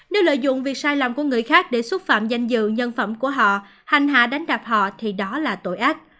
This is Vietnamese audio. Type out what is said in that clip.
nếu lợi dụng việc sai lầm của người khác để xúc phạm danh dự nhân phẩm của họ hành hạ đánh đạp họ thì đó là tội ác